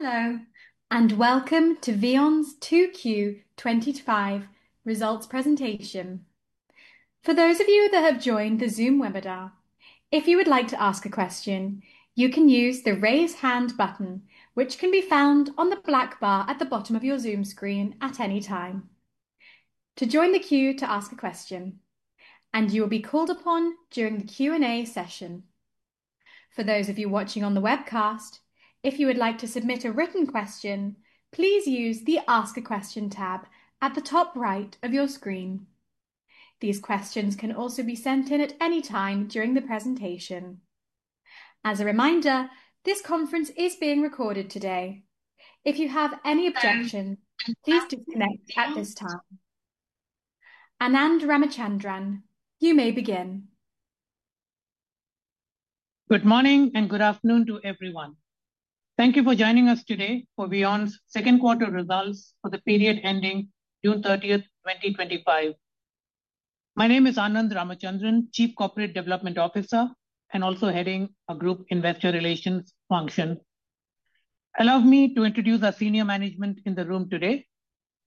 Hello and welcome to VEON's 2Q25 results presentation. For those of you that have joined the Zoom webinar, if you would like to ask a question, you can use the raise hand button, which can be found on the black bar at the bottom of your Zoom screen at any time to join the queue to ask a question, and you will be called upon during the Q&A session. For those of you watching on the webcast, if you would like to submit a written question, please use the ask a question tab at the top right of your screen. These questions can also be sent in at any time during the presentation. As a reminder, this conference is being recorded today. If you have any objection, please disconnect at this time. Anand Ramachandran, you may begin. Good morning and good afternoon to everyone. Thank you for joining us today for VEON's second quarter results for the period ending June 30th, 2025. My name is Anand Ramachandran, Chief Corporate Development Officer and also heading a Group Investor Relations function. Allow me to introduce our senior management in the room today.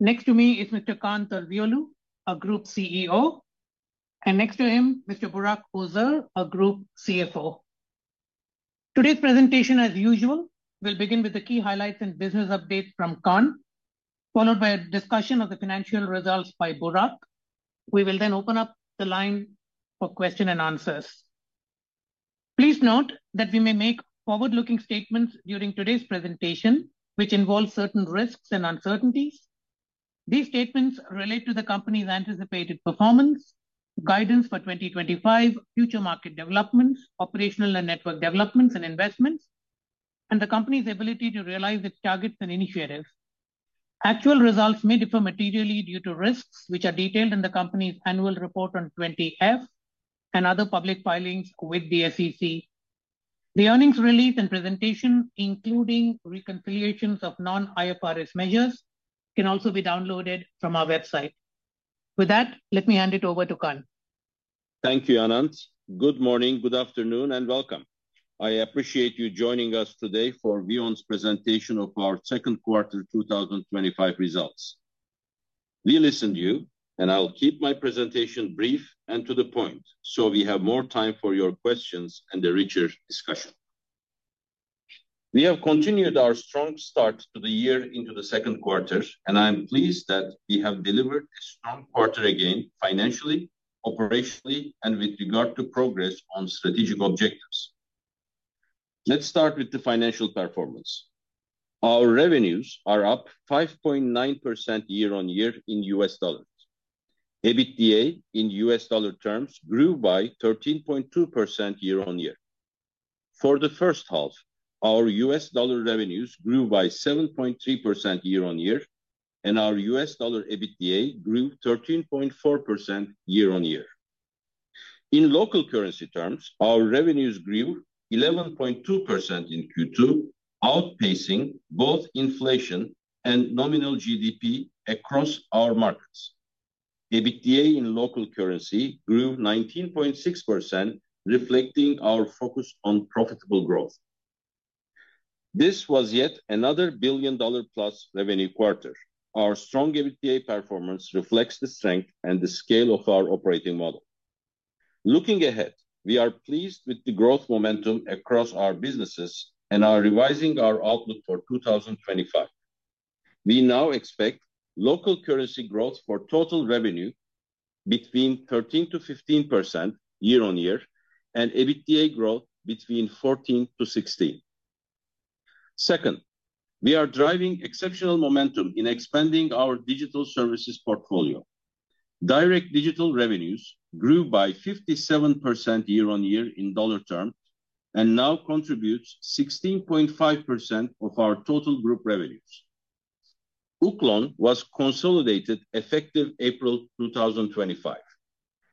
Next to me is Mr. Kaan Terzioğlu, Group CEO, and next to him, Mr. Burak Ozer, Group CFO. Today's presentation, as usual, will begin with the key highlights and business updates from Kaan, followed by a discussion of the financial results by Burak. We will then open up the line for questions and answers. Please note that we may make forward-looking statements during today's presentation, which involve certain risks and uncertainties. These statements relate to the company's anticipated performance, guidance for 2025, future market developments, operational and network developments, and investments, and the company's ability to realize its targets and initiatives. Actual results may differ materially due to risks, which are detailed in the company's annual report on Form 20F and other public filings with the SEC. The earnings release and presentation, including reconciliations of non-IFRS measures, can also be downloaded from our website. With that, let me hand it over to Kaan. Thank you, Anand. Good morning, good afternoon, and welcome. I appreciate you joining us today for VEON's presentation of our second quarter 2025 results. We listen to you, and I'll keep my presentation brief and to the point so we have more time for your questions and the richer discussion. We have continued our strong start to the year into the second quarter, and I am pleased that we have delivered a strong quarter again financially, operationally, and with regard to progress on strategic objectives. Let's start with the financial performance. Our revenues are up 5.9% year-on-year in US dollars. EBITDA in US dollar terms grew by 13.2% year-on-year. For the first half, our US dollar revenues grew by 7.3% year-on-year, and our US dollar EBITDA grew 13.4% year-on-year. In local currency terms, our revenues grew 11.2% in Q2, outpacing both inflation and nominal GDP across our markets. EBITDA in local currency grew 19.6%, reflecting our focus on profitable growth. This was yet another billion-dollar-plus revenue quarter. Our strong EBITDA performance reflects the strength and the scale of our operating model. Looking ahead, we are pleased with the growth momentum across our businesses and are revising our outlook for 2025. We now expect local currency growth for total revenue between 13%-15% year-on-year and EBITDA growth between 14%-16%. Second, we are driving exceptional momentum in expanding our digital services portfolio. Direct digital revenues grew by 57% year-on-year in dollar terms and now contribute 16.5% of our total group revenues. Uklon was consolidated effective April 2025.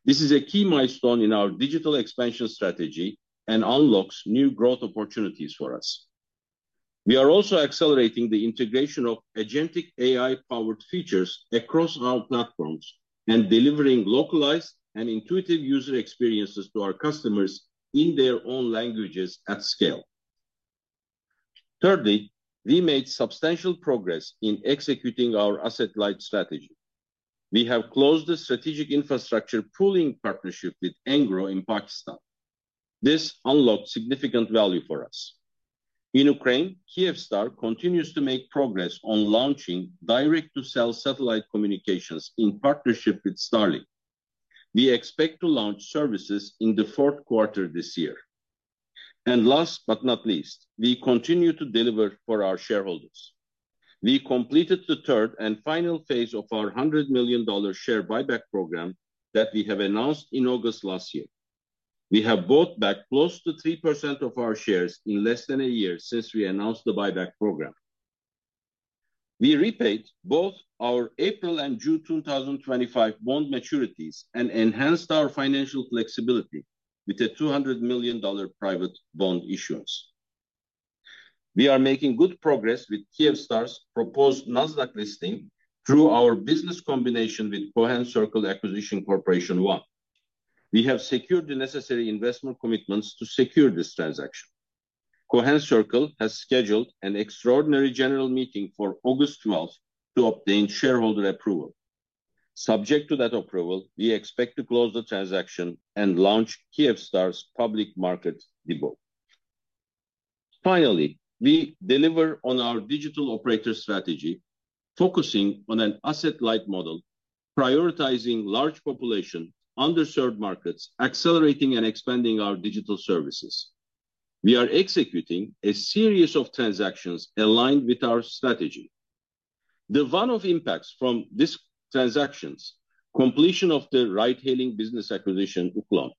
This is a key milestone in our digital expansion strategy and unlocks new growth opportunities for us. We are also accelerating the integration of agentic AI-powered features across our platforms and delivering localized and intuitive user experiences to our customers in their own languages at scale. Thirdly, we made substantial progress in executing our asset-light strategy. We have closed the strategic infrastructure pooling partnership with Engro in Pakistan. This unlocks significant value for us. In Ukraine, Kyivstar continues to make progress on launching direct-to-cell satellite communications in partnership with Starlink. We expect to launch services in the fourth quarter this year. Last but not least, we continue to deliver for our shareholders. We completed the third and final phase of our $100 million share buyback program that we have announced in August last year. We have bought back close to 3% of our shares in less than a year since we announced the buyback program. We repaid both our April and June 2025 bond maturities and enhanced our financial flexibility with a $200 million private bond issuance. We are making good progress with Kyivstar's proposed NASDAQ listing through our business combination with Cohen Circle Acquisition Corporation I. We have secured the necessary investment commitments to secure this transaction. Cohen Circle has scheduled an extraordinary general meeting for August 12th to obtain shareholder approval. Subject to that approval, we expect to close the transaction and launch Kyivstar's public market debut. Finally, we deliver on our digital operator strategy, focusing on an asset-light model, prioritizing large population, underserved markets, accelerating and expanding our digital services. We are executing a series of transactions aligned with our strategy. The one-off impacts from these transactions, completion of the ride-hailing business acquisition Uklon,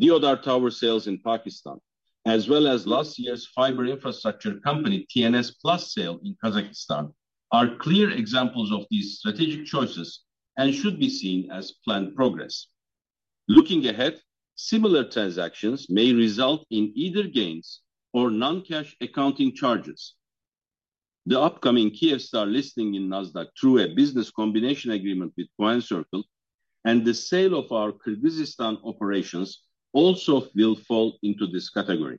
Deodar Tower sales in Pakistan, as well as last year's fiber infrastructure company TNS Plus sale in Kazakhstan, are clear examples of these strategic choices and should be seen as planned progress. Looking ahead, similar transactions may result in either gains or non-cash accounting charges. The upcoming Kyivstar listing in NASDAQ through a business combination agreement with Cohen Circle and the sale of our Kyrgyzstan operations also will fall into this category.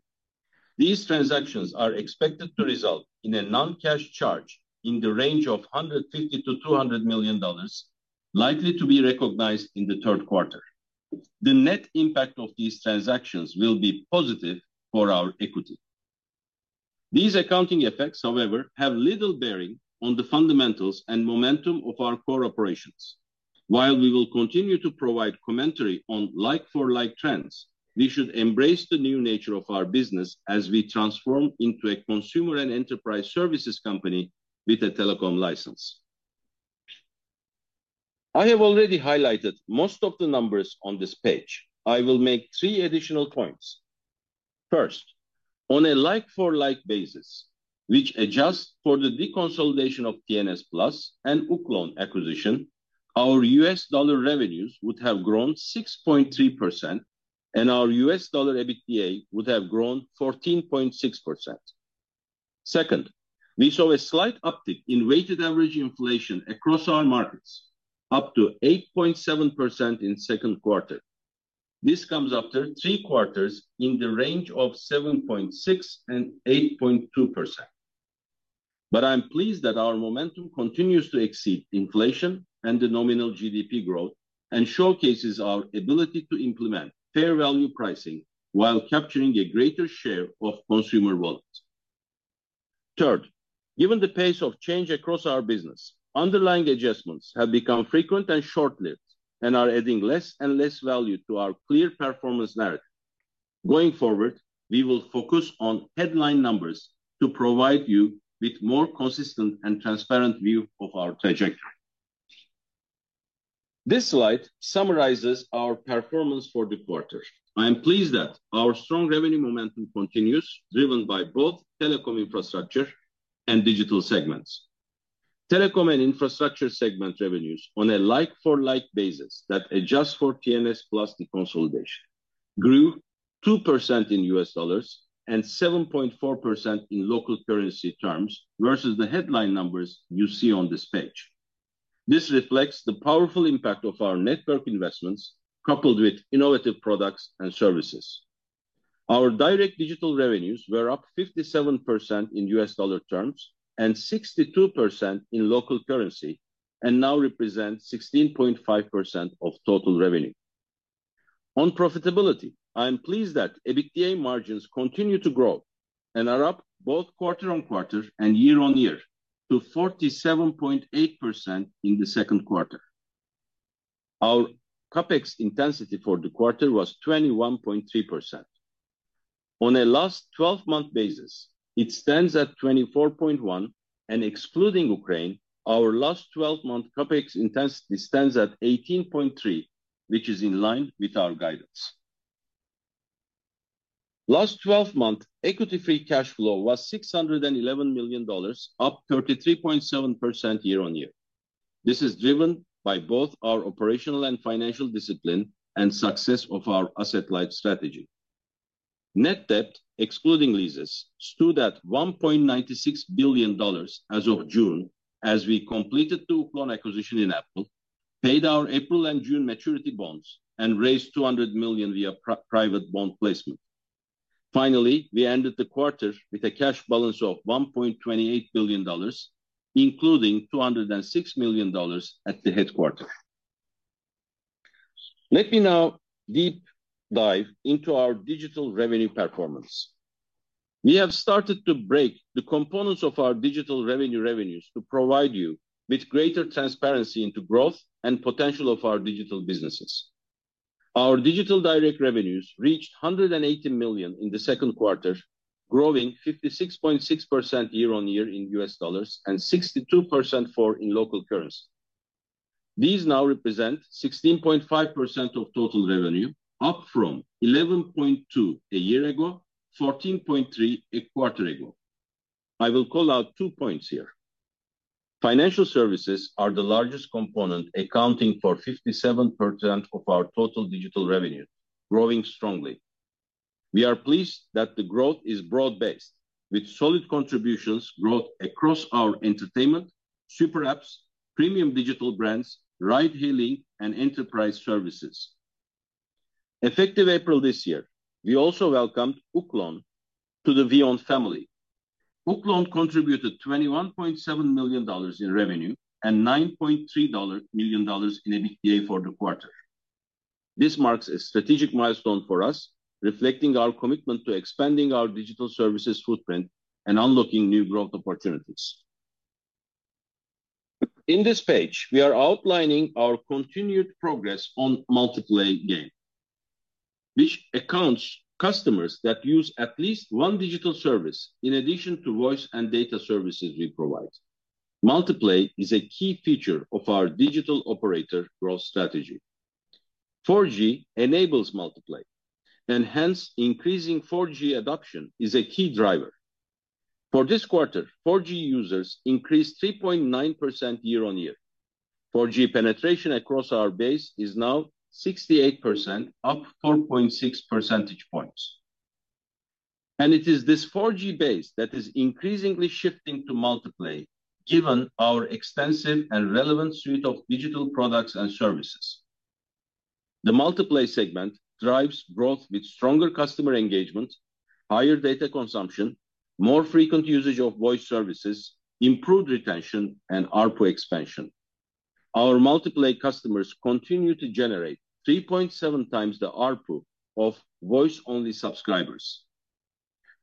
These transactions are expected to result in a non-cash charge in the range of $150 million-$200 million, likely to be recognized in the third quarter. The net impact of these transactions will be positive for our equity. These accounting effects, however, have little bearing on the fundamentals and momentum of our core operations. While we will continue to provide commentary on like-for-like trends, we should embrace the new nature of our business as we transform into a consumer and enterprise services company with a telecom license. I have already highlighted most of the numbers on this page. I will make three additional points. First, on a like-for-like basis, which adjusts for the deconsolidation of TNS Plus and Uklon acquisition, our US dollar revenues would have grown 6.3% and our US dollar EBITDA would have grown 14.6%. Second, we saw a slight uptick in weighted average inflation across our markets, up to 8.7% in the second quarter. This comes after three quarters in the range of 7.6% and 8.2%. I am pleased that our momentum continues to exceed inflation and the nominal GDP growth and showcases our ability to implement fair value pricing while capturing a greater share of consumer wallets. Third, given the pace of change across our business, underlying adjustments have become frequent and short-lived and are adding less and less value to our clear performance narrative. Going forward, we will focus on headline numbers to provide you with a more consistent and transparent view of our trajectory. This slide summarizes our performance for the quarter. I am pleased that our strong revenue momentum continues, driven by both telecom infrastructure and digital segments. Telecom and infrastructure segment revenues on a like-for-like basis that adjust for TNS Plus deconsolidation grew 2% in US dollars and 7.4% in local currency terms versus the headline numbers you see on this page. This reflects the powerful impact of our network investments coupled with innovative products and services. Our direct digital revenues were up 57% in US dollar terms and 62% in local currency and now represent 16.5% of total revenue. On profitability, I am pleased that EBITDA margins continue to grow and are up both quarter-on-quarter and year-on-year to 47.8% in the second quarter. Our CapEx intensity for the quarter was 21.3%. On a last 12-month basis, it stands at 24.1% and excluding Ukraine, our last 12-month CapEx intensity stands at 18.3%, which is in line with our guidance. Last 12-month equity-free cash flow was $611 million, up 33.7% year-on-year. This is driven by both our operational and financial discipline and the success of our asset-light strategy. Net debt, excluding leases, stood at $1.96 billion as of June, as we completed the Uklon acquisition in April, paid our April and June maturity bonds, and raised $200 million via private bond placement. Finally, we ended the quarter with a cash balance of $1.28 billion, including $206 million at the headquarters. Let me now deep dive into our digital revenue performance. We have started to break the components of our digital revenues to provide you with greater transparency into growth and the potential of our digital businesses. Our digital direct revenues reached $180 million in the second quarter, growing 56.6% year-on-year in US dollars and 62% in local currency. These now represent 16.5% of total revenue, up from 11.2% a year ago and 14.3% a quarter ago. I will call out two points here. Financial services are the largest component, accounting for 57% of our total digital revenue, growing strongly. We are pleased that the growth is broad-based, with solid contributions growth across our entertainment, super apps, premium digital brands, ride-hailing, and enterprise services. Effective April this year, we also welcomed Uklon to the VEON family. Uklon contributed $21.7 million in revenue and $9.3 million in EBITDA for the quarter. This marks a strategic milestone for us, reflecting our commitment to expanding our digital services footprint and unlocking new growth opportunities. In this page, we are outlining our continued progress on multiplay game, which accounts customers that use at least one digital service in addition to voice and data services we provide. Multiplay is a key feature of our digital operator growth strategy. 4G enables multiplay, and hence, increasing 4G adoption is a key driver. For this quarter, 4G users increased 3.9% year-on-year. 4G penetration across our base is now 68%, up 4.6 percentage points. It is this 4G base that is increasingly shifting to multiplay, given our extensive and relevant suite of digital products and services. The multiplay segment drives growth with stronger customer engagement, higher data consumption, more frequent usage of voice services, improved retention, and ARPU expansion. Our multiplay customers continue to generate 3.7x the ARPU of voice-only subscribers.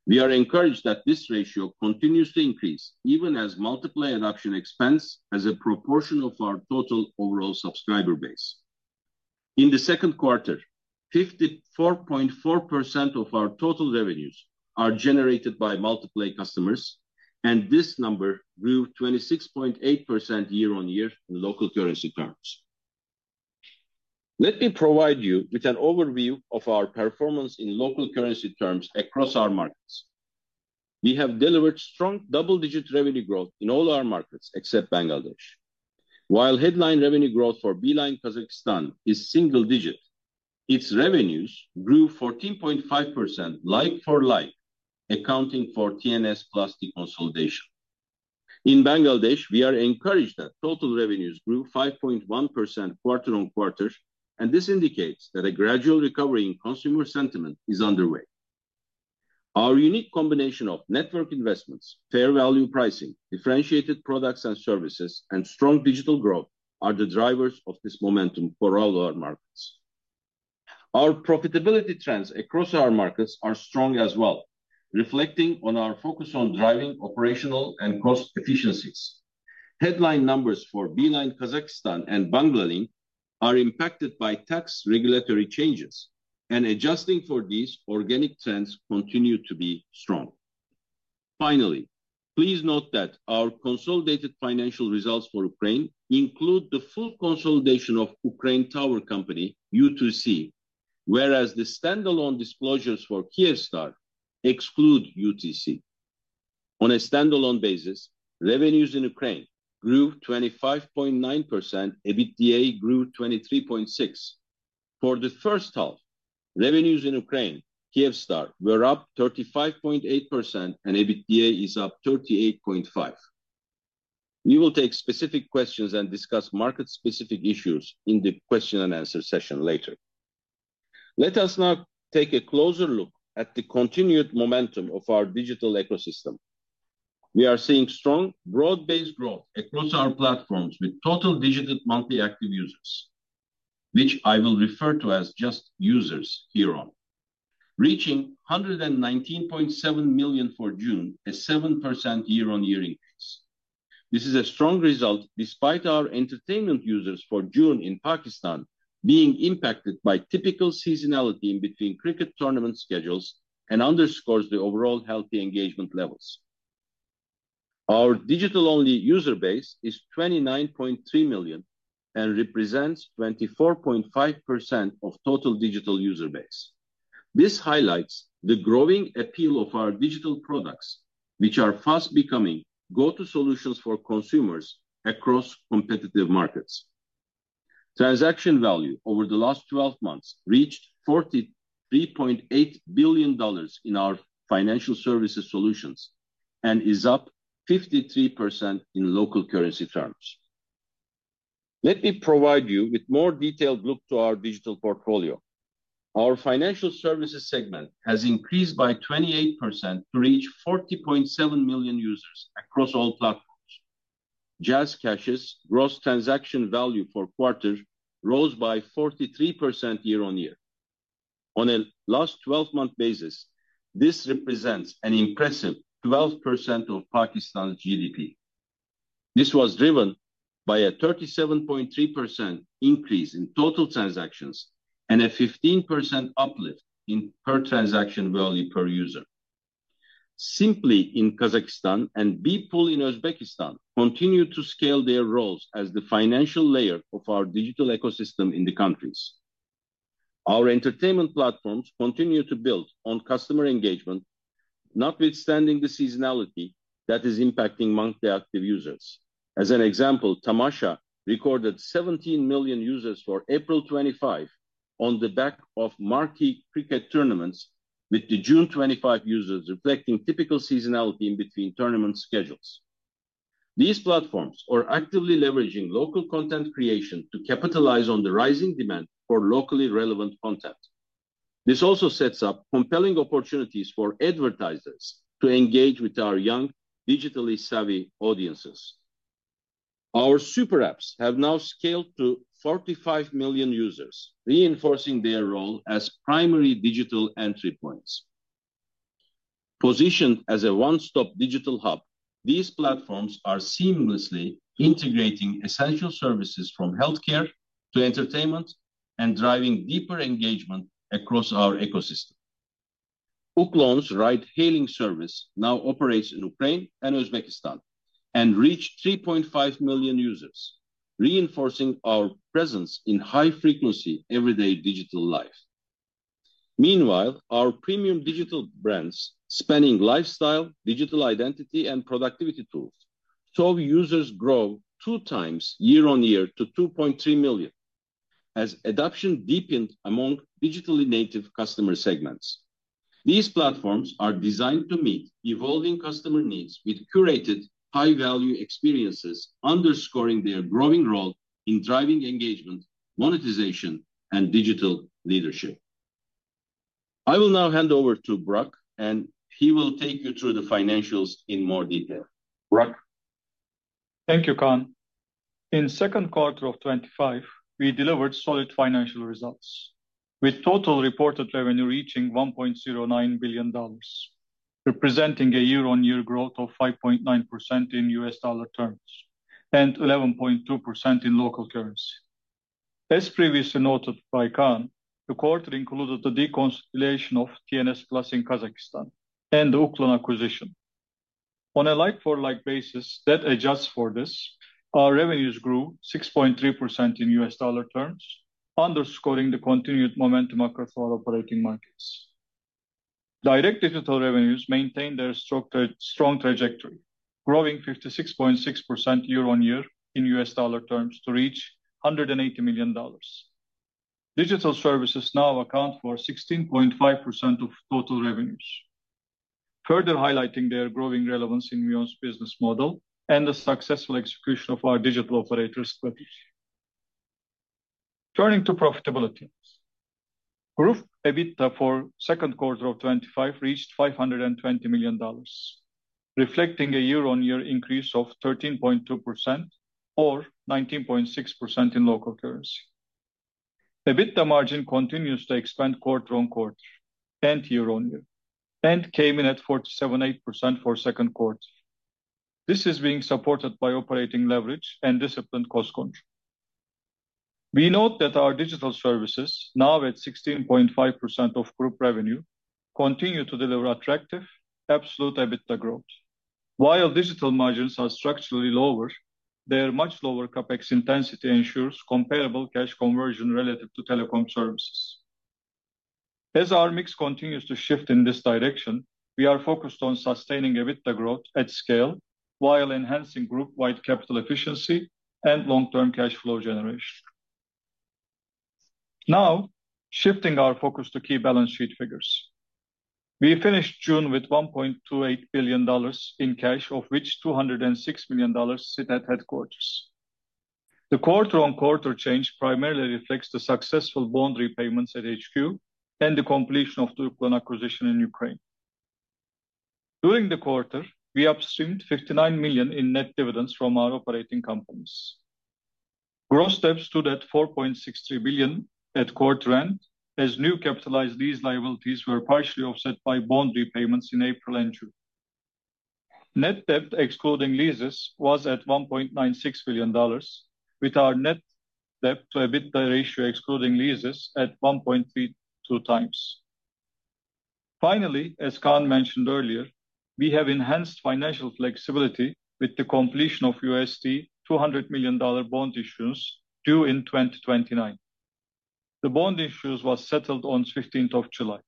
We are encouraged that this ratio continues to increase, even as multiplay adoption expands as a proportion of our total overall subscriber base. In the second quarter, 54.4% of our total revenues are generated by multiplay customers, and this number grew 26.8% year-on-year in local currency terms. Let me provide you with an overview of our performance in local currency terms across our markets. We have delivered strong double-digit revenue growth in all our markets except Bangladesh. While headline revenue growth for Beeline Kazakhstan is single-digit, its revenues grew 14.5% like-for-like, accounting for TNS Plus deconsolidation. In Bangladesh, we are encouraged that total revenues grew 5.1% quarter-on-quarter, and this indicates that a gradual recovery in consumer sentiment is underway. Our unique combination of network investments, fair value pricing, differentiated products and services, and strong digital growth are the drivers of this momentum for all our markets. Our profitability trends across our markets are strong as well, reflecting on our focus on driving operational and cost efficiencies. Headline numbers for Beeline Kazakhstan and Bangladesh are impacted by tax regulatory changes, and adjusting for these, organic trends continue to be strong. Finally, please note that our consolidated financial results for Ukraine include the full consolidation of Ukraine Tower Company, UTC, whereas the standalone disclosures for Kyivstar exclude UTC. On a standalone basis, revenues in Ukraine grew 25.9%, EBITDA grew 23.6%. For the first half, revenues in Ukraine, Kyivstar were up 35.8%, and EBITDA is up 38.5%. We will take specific questions and discuss market-specific issues in the question and answer session later. Let us now take a closer look at the continued momentum of our digital ecosystem. We are seeing strong broad-based growth across our platforms with total-digital, multi-active users, which I will refer to as just users here on, reaching 119.7 million for June, a 7% year-on-year increase. This is a strong result despite our entertainment users for June in Pakistan being impacted by typical seasonality in between cricket tournament schedules and underscores the overall healthy engagement levels. Our digital-only user base is 29.3 million and represents 24.5% of total digital user base. This highlights the growing appeal of our digital products, which are fast becoming go-to solutions for consumers across competitive markets. Transaction value over the last 12 months reached $43.8 billion in our financial services solutions and is up 53% in local currency terms. Let me provide you with a more detailed look at our digital portfolio. Our financial services segment has increased by 28% to reach 40.7 million users across all platforms. JazzCash's gross transaction value for the quarter rose by 43% year-on-year. On a last 12-month basis, this represents an impressive 12% of Pakistan's GDP. This was driven by a 37.3% increase in total transactions and a 15% uplift in per transaction value per user. Simply in Kazakhstan, and BeePul in Uzbekistan continue to scale their roles as the financial layer of our digital ecosystem in the countries. Our entertainment platforms continue to build on customer engagement, notwithstanding the seasonality that is impacting monthly active users. As an example, Tamasha recorded 17 million users for April 2025 on the back of marquee cricket tournaments, with the June 2025 users reflecting typical seasonality in between tournament schedules. These platforms are actively leveraging local content creation to capitalize on the rising demand for locally relevant content. This also sets up compelling opportunities for advertisers to engage with our young, digitally savvy audiences. Our super apps have now scaled to 45 million users, reinforcing their role as primary digital entry points. Positioned as a one-stop digital hub, these platforms are seamlessly integrating essential services from healthcare to entertainment and driving deeper engagement across our ecosystem. Uklon's ride-hailing service now operates in Ukraine and Uzbekistan and reached 3.5 million users, reinforcing our presence in high-frequency everyday digital life. Meanwhile, our premium digital brands spanning lifestyle, digital identity, and productivity tools saw users grow 2x year-on-year to 2.3 million as adoption deepened among digitally native customer segments. These platforms are designed to meet evolving customer needs with curated, high-value experiences, underscoring their growing role in driving engagement, monetization, and digital leadership. I will now hand over to Burak, and he will take you through the financials in more detail. Burak. Thank you, Kaan. In the second quarter of 2025, we delivered solid financial results, with total reported revenue reaching $1.09 billion, representing a year-on-year growth of 5.9% in US dollar terms and 11.2% in local currency. As previously noted by Kaan, the quarter included the deconsolidation of TNS Plus in Kazakhstan and the Uklon acquisition. On a like-for-like basis that adjusts for this, our revenues grew 6.3% in US dollar terms, underscoring the continued momentum across our operating markets. Direct digital revenues maintained their strong trajectory, growing 56.6% year-on-year in US dollar terms to reach $180 million. Digital services now account for 16.5% of total revenues, further highlighting their growing relevance in VEON's business model and the successful execution of our digital operator strategy. Turning to profitability, EBITDA for the second quarter of 2025 reached $520 million, reflecting a year-on-year increase of 13.2% or 19.6% in local currency. EBITDA margin continues to expand quarter-on-quarter and year-on-year, and came in at 47.8% for the second quarter. This is being supported by operating leverage and disciplined cost control. We note that our digital services, now at 16.5% of group revenue, continue to deliver attractive, absolute EBITDA growth. While digital margins are structurally lower, their much lower CapEx intensity ensures comparable cash conversion relative to telecom services. As our mix continues to shift in this direction, we are focused on sustaining EBITDA growth at scale while enhancing group-wide capital efficiency and long-term cash flow generation. Now, shifting our focus to key balance sheet figures, we finished June with $1.28 billion in cash, of which $206 million sit at headquarters. The quarter-on-quarter change primarily reflects the successful bond repayments at HQ and the completion of the Uklon acquisition in Ukraine. During the quarter, we absent $59 million in net dividends from our operating companies. Gross debt stood at $4.63 billion at quarter end, as new capitalized lease liabilities were partially offset by bond repayments in April and June. Net debt, excluding leases, was at $1.96 billion, with our net debt to EBITDA ratio, excluding leases, at 1.32x. Finally, as Kaan mentioned earlier, we have enhanced financial flexibility with the completion of $200 million bond issuance due in 2029. The bond issuance was settled on the 15th of July.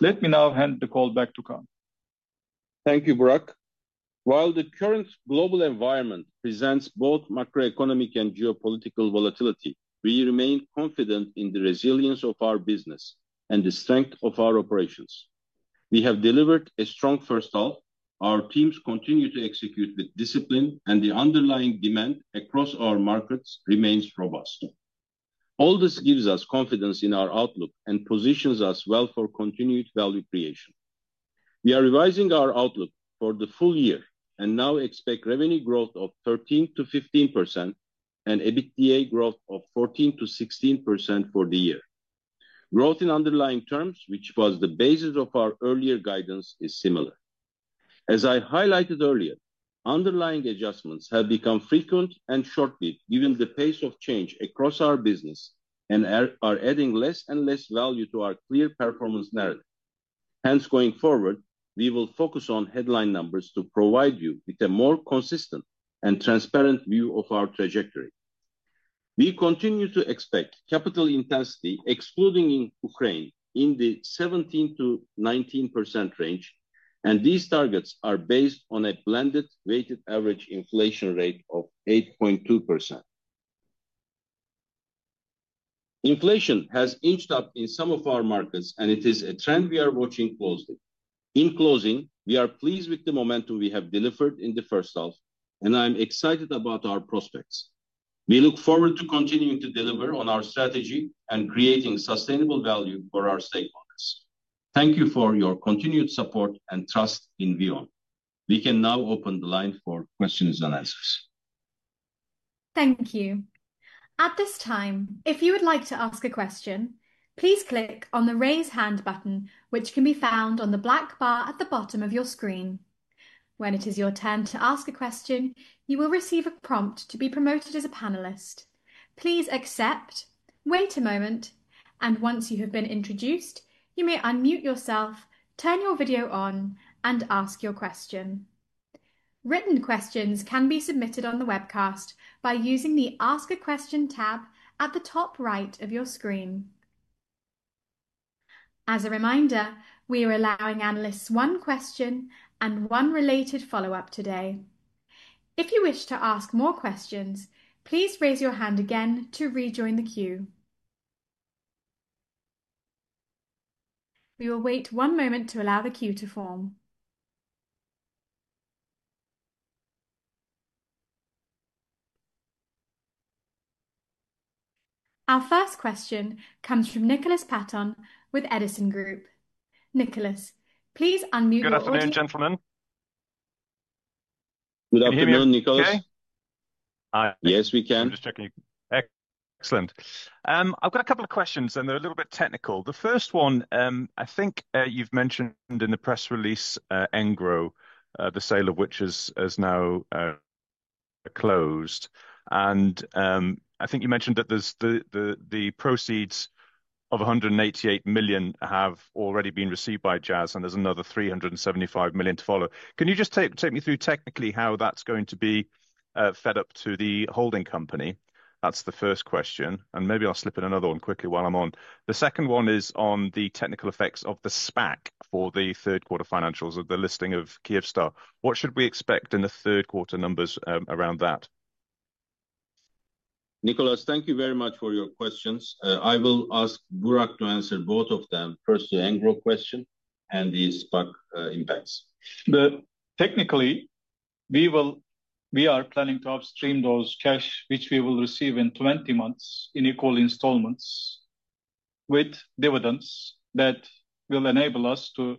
Let me now hand the call back to Kaan. Thank you, Burak. While the current global environment presents both macroeconomic and geopolitical volatility, we remain confident in the resilience of our business and the strength of our operations. We have delivered a strong first half. Our teams continue to execute with discipline, and the underlying demand across our markets remains robust. All this gives us confidence in our outlook and positions us well for continued value creation. We are revising our outlook for the full year and now expect revenue growth of 13%-15% and EBITDA growth of 14%-16% for the year. Growth in underlying terms, which was the basis of our earlier guidance, is similar. As I highlighted earlier, underlying adjustments have become frequent and short-lived, given the pace of change across our business and are adding less and less value to our clear performance narrative. Hence, going forward, we will focus on headline numbers to provide you with a more consistent and transparent view of our trajectory. We continue to expect capital intensity, excluding Ukraine, in the 17%-19% range, and these targets are based on a blended weighted average inflation rate of 8.2%. Inflation has inched up in some of our markets, and it is a trend we are watching closely. In closing, we are pleased with the momentum we have delivered in the first half, and I am excited about our prospects. We look forward to continuing to deliver on our strategy and creating sustainable value for our stakeholders. Thank you for your continued support and trust in VEON. We can now open the line for questions and answers. Thank you. At this time, if you would like to ask a question, please click on the raise hand button, which can be found on the black bar at the bottom of your screen. When it is your turn to ask a question, you will receive a prompt to be promoted as a panelist. Please accept, wait a moment, and once you have been introduced, you may unmute yourself, turn your video on, and ask your question. Written questions can be submitted on the webcast by using the Ask a Question tab at the top right of your screen. As a reminder, we are allowing analysts one question and one related follow-up today. If you wish to ask more questions, please raise your hand again to rejoin the queue. We will wait one moment to allow the queue to form. Our first question comes from Nicholas Paton with Edison Group. Nicholas, please unmute yourself. Good afternoon, gentlemen. Good afternoon, Nicholas. Can you hear me? Yes, we can. Just checking. Excellent. I've got a couple of questions, and they're a little bit technical. The first one, I think you've mentioned in the press release Engro, the sale of which is now closed. I think you mentioned that the proceeds of $188 million have already been received by Jazz, and there's another $375 million to follow. Can you just take me through technically how that's going to be fed up to the holding company? That's the first question. Maybe I'll slip in another one quickly while I'm on. The second one is on the technical effects of the SPAC for the third quarter financials of the listing of Kyivstar. What should we expect in the third quarter numbers around that? Nicholas, thank you very much for your questions. I will ask Burak to answer both of them, first the Engro question and the SPAC impacts. Technically, we are planning to upstream those cash, which we will receive in 20 months in equal installments with dividends that will enable us to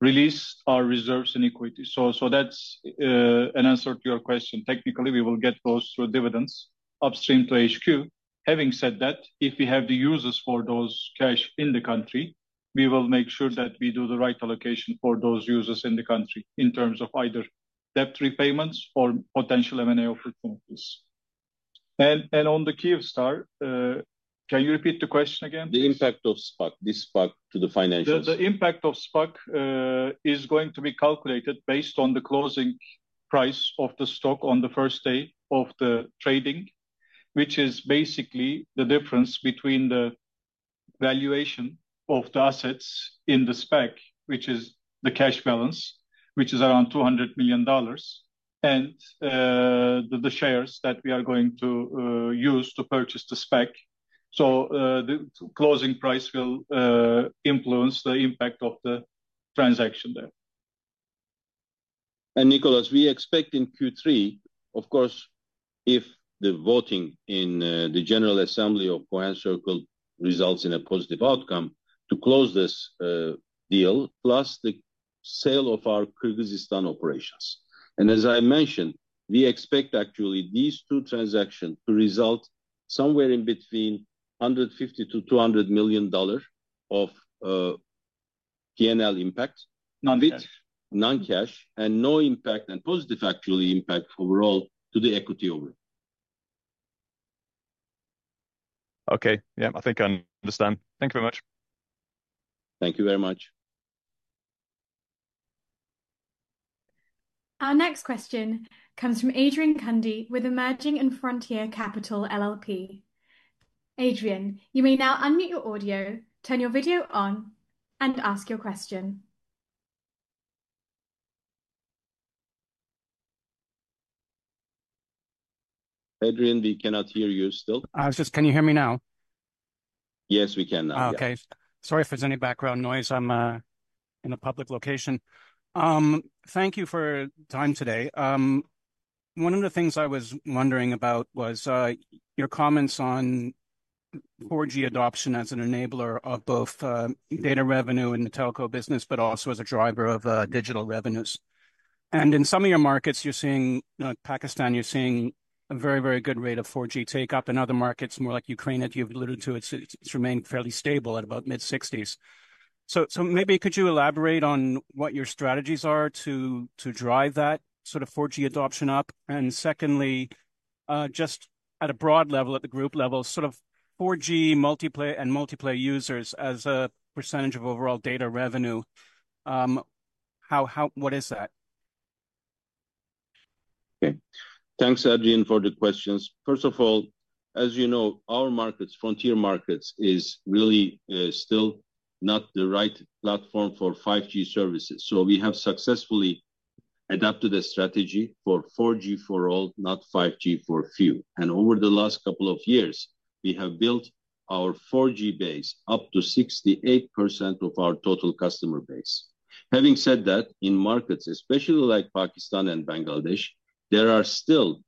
release our reserves in equity. That's an answer to your question. Technically, we will get those through dividends upstream to HQ. Having said that, if we have the uses for those cash in the country, we will make sure that we do the right allocation for those uses in the country in terms of either debt repayments or potential M&A opportunities. On the Kyivstar, can you repeat the question again? The impact of SPAC, this SPAC, to the financials. The impact of SPAC is going to be calculated based on the closing price of the stock on the first day of the trading, which is basically the difference between the valuation of the assets in the SPAC, which is the cash balance, which is around $200 million, and the shares that we are going to use to purchase the SPAC. The closing price will influence the impact of the transaction there. Nicholas, we expect in Q3, of course, if the voting in the General Assembly of Cohen Circle Acquisition Corporation I results in a positive outcome, to close this deal, plus the sale of our Kyrgyzstan operations. As I mentioned, we expect actually these two transactions to result somewhere in between $150 million-$200 million of P&L impact. Non-cash. Non-cash and no impact, and positive actually impact overall to the equity overview. Okay. Yeah, I think I understand. Thank you very much. Thank you very much. Our next question comes from Adrian Cundy with Emerging & Frontier Capital LLP. Adrian, you may now unmute your audio, turn your video on, and ask your question. Adrian, we cannot hear you still. I said, can you hear me now? Yes, we can now. Okay. Sorry if there's any background noise. I'm in a public location. Thank you for your time today. One of the things I was wondering about was your comments on 4G adoption as an enabler of both data revenue in the telco business, but also as a driver of digital revenues. In some of your markets, like Pakistan, you're seeing a very, very good rate of 4G takeup. In other markets, more like Ukraine, as you've alluded to, it's remained fairly stable at about mid-60%. Could you elaborate on what your strategies are to drive that sort of 4G adoption up? Secondly, at a broad level, at the group level, sort of 4G multiplay and multiplay users as a percentage of overall data revenue, what is that? Okay. Thanks, Adrian, for the questions. First of all, as you know, our markets, frontier markets, are really still not the right platform for 5G services. We have successfully adapted the strategy for 4G for all, not 5G for a few. Over the last couple of years, we have built our 4G base up to 68% of our total customer base. Having said that, in markets, especially like Pakistan and Bangladesh, there are still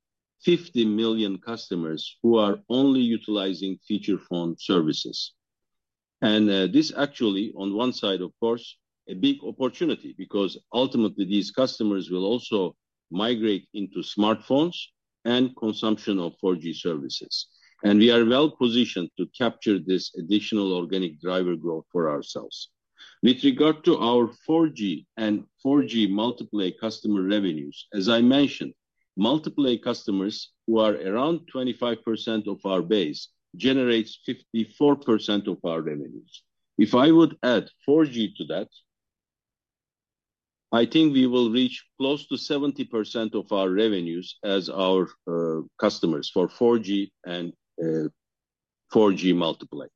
50 million customers who are only utilizing feature phone services. This actually, on one side, of course, is a big opportunity because ultimately these customers will also migrate into smartphones and consumption of 4G services. We are well positioned to capture this additional organic driver growth for ourselves. With regard to our 4G and 4G multiplay customer revenues, as I mentioned, multiplay customers who are around 25% of our base generate 54% of our revenues. If I would add 4G to that, I think we will reach close to 70% of our revenues as our customers for 4G and 4G multiplay.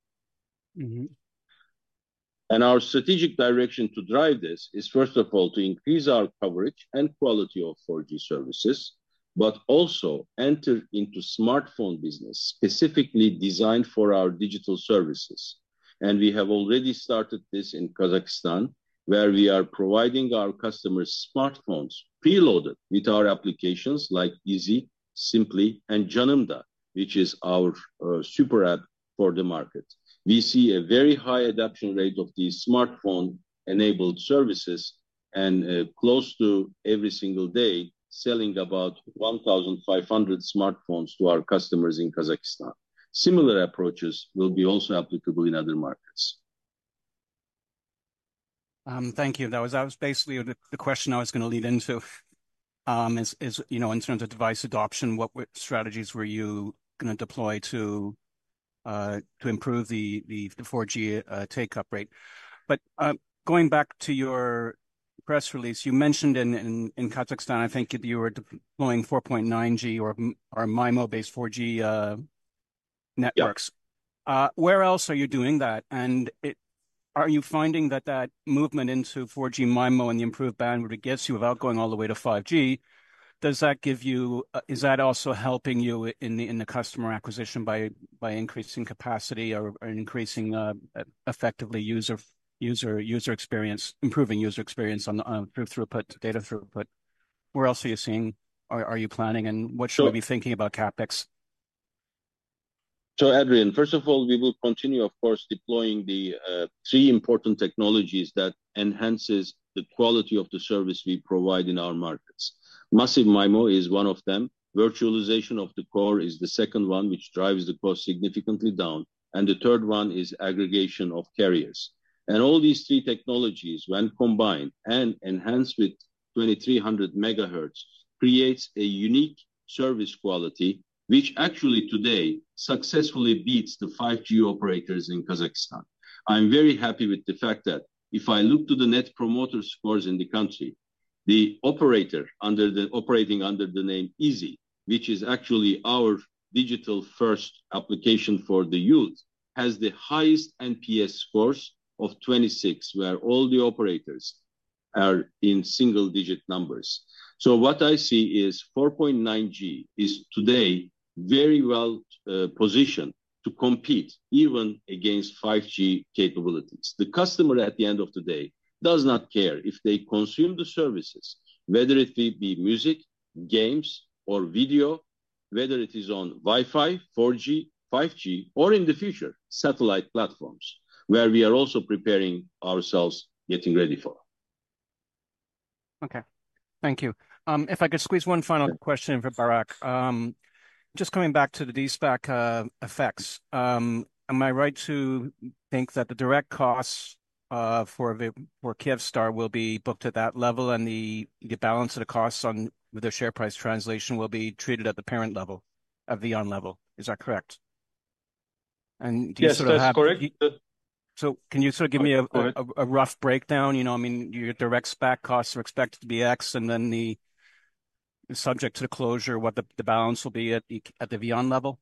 Our strategic direction to drive this is, first of all, to increase our coverage and quality of 4G services, but also enter into smartphone business specifically designed for our digital services. We have already started this in Kazakhstan, where we are providing our customers smartphones preloaded with our applications like IZI, Simply, and Janymda, which is our super app for the market. We see a very high adoption rate of these smartphone-enabled services and close to every single day selling about 1,500 smartphones to our customers in Kazakhstan. Similar approaches will be also applicable in other markets. Thank you. That was basically the question I was going to lead into. In terms of device adoption, what strategies were you going to deploy to improve the 4G takeup rate? Going back to your press release, you mentioned in Kazakhstan, I think you were deploying 4.9G or MIMO-based 4G networks. Where else are you doing that? Are you finding that movement into 4G MIMO and the improved bandwidth it gives you without going all the way to 5G, is that also helping you in the customer acquisition by increasing capacity or effectively improving user experience on the improved data throughput? Where else are you seeing, are you planning, and what should we be thinking about CapEx? Adrian, first of all, we will continue, of course, deploying the three important technologies that enhance the quality of the service we provide in our markets. Massive MIMO is one of them. Virtualization of the core is the second one, which drives the cost significantly down. The third one is aggregation of carriers. All these three technologies, when combined and enhanced with 2,300 MHz, create a unique service quality, which actually today successfully beats the 5G operators in Kazakhstan. I'm very happy with the fact that if I look to the net promoter scores in the country, the operator operating under the name IZI, which is actually our digital-first application for the youth, has the highest NPS scores of 26, where all the operators are in single-digit numbers. What I see is 4.9G is today very well positioned to compete even against 5G capabilities. The customer at the end of the day does not care if they consume the services, whether it be music, games, or video, whether it is on Wi-Fi, 4G, 5G, or in the future, satellite platforms, where we are also preparing ourselves, getting ready for. Okay. Thank you. If I could squeeze one final question for Burak. Just coming back to the SPAC effects, am I right to think that the direct costs for Kyivstar will be booked at that level, and the balance of the costs on the share price translation will be treated at the parent level, at VEON level? Is that correct? Do you sort of have? Yes, that's correct. Can you sort of give me a rough breakdown? I mean, your direct SPAC costs are expected to be X, and then subject to the closure, what the balance will be at the VEON level?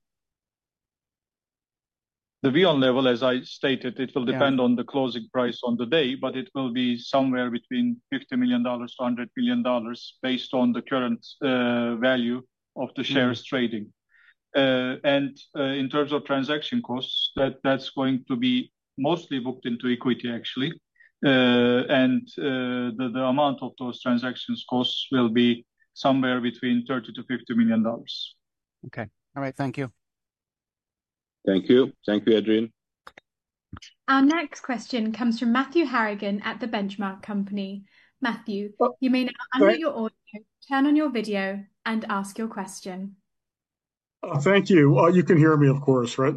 the VEON level, as I stated, it will depend on the closing price on the day, but it will be somewhere between $50 million-$100 million based on the current value of the shares trading. In terms of transaction costs, that's going to be mostly booked into equity, actually. The amount of those transaction costs will be somewhere between $30 million-$50 million. Okay. All right. Thank you. Thank you. Thank you, Adrian. Our next question comes from Matthew Harrigan at The Benchmark Company. Matthew, you may unmute your audio, turn on your video, and ask your question. Thank you. You can hear me, of course, right?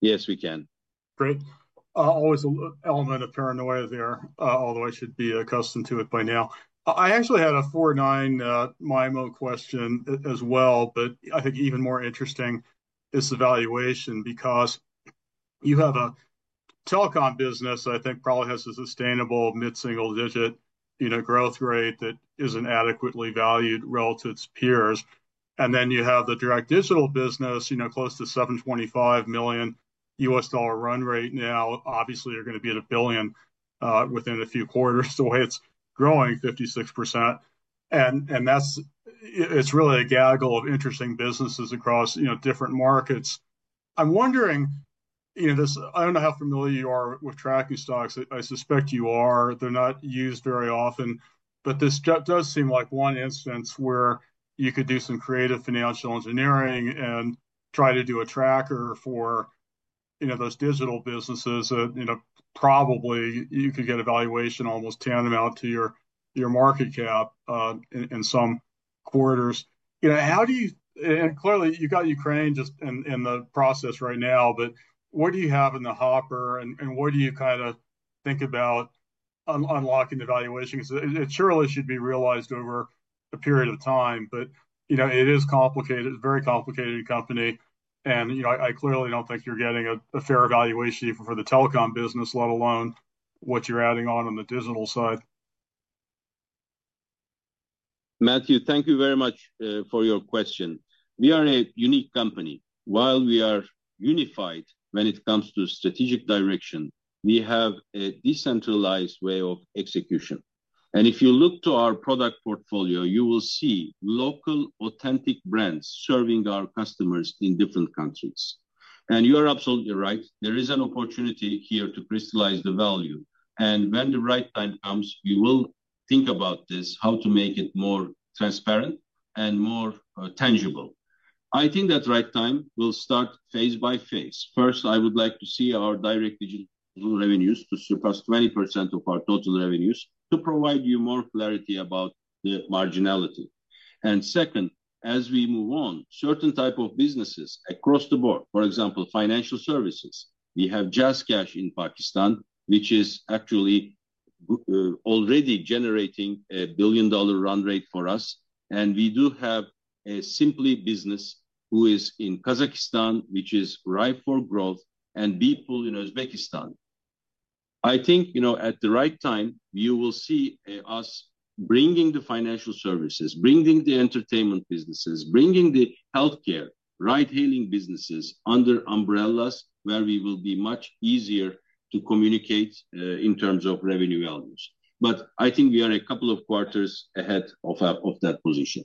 Yes, we can. Great. Always an element of paranoia there, although I should be accustomed to it by now. I actually had a 4.9 MIMO question as well, but I think even more interesting is the valuation because you have a telecom business that I think probably has a sustainable mid-single-digit growth rate that isn't adequately valued relative to its peers. Then you have the direct digital business, you know, close to $725 million US dollar run rate now. Obviously, you're going to be at a billion within a few quarters the way it's growing, 56%. That's really a gaggle of interesting businesses across different markets. I'm wondering, you know, I don't know how familiar you are with tracking stocks. I suspect you are. They're not used very often, but this does seem like one instance where you could do some creative financial engineering and try to do a tracker for, you know, those digital businesses. Probably you could get a valuation almost tantamount to your market cap in some quarters. How do you, and clearly you've got Ukraine just in the process right now, but what do you have in the hopper and what do you kind of think about unlocking the valuation? It surely should be realized over a period of time, but you know, it is complicated. It's a very complicated company. I clearly don't think you're getting a fair valuation even for the telecom business, let alone what you're adding on on the digital side. Matthew, thank you very much for your question. We are a unique company. While we are unified when it comes to strategic direction, we have a decentralized way of execution. If you look to our product portfolio, you will see local authentic brands serving our customers in different countries. You are absolutely right. There is an opportunity here to crystallize the value. When the right time comes, we will think about this, how to make it more transparent and more tangible. I think that right time will start phase by phase. First, I would like to see our direct digital revenues surpass 20% of our total revenues to provide you more clarity about the marginality. Second, as we move on, certain types of businesses across the board, for example, financial services. We have JazzCash in Pakistan, which is actually already generating $1 billion run rate for us. We do have a Simply business in Kazakhstan, which is ripe for growth, and BeePul in Uzbekistan. I think, at the right time, you will see us bringing the financial services, bringing the entertainment businesses, bringing the healthcare, ride-hailing businesses under umbrellas where it will be much easier to communicate in terms of revenue values. I think we are a couple of quarters ahead of that position.